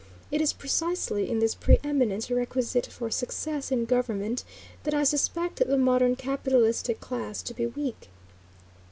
It is precisely in this preëminent requisite for success in government that I suspect the modern capitalistic class to be weak.